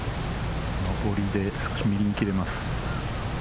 上りで少し右に切れます。